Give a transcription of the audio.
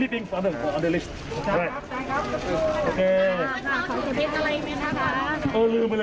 เดี๋ยวต้องหลังก่อนต้องหลังก่อน